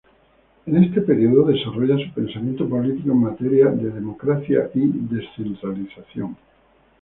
En este período desarrolla su pensamiento político en materia de democracia y descentralización.